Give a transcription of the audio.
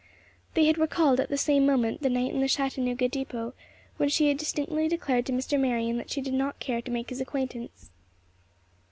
They had recalled at the same moment the night in the Chattanooga depot, when she had distinctly declared to Mr. Marion that she did not care to make his acquaintance.